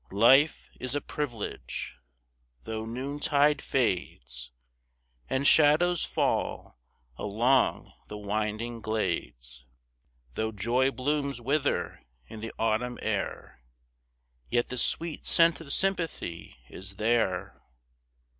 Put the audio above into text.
Life is a privilege. Though noontide fades And shadows fall along the winding glades, Though joy blooms wither in the autumn air, Yet the sweet scent of sympathy is there.